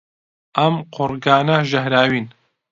ئەم قوارگانە ژەهراوین.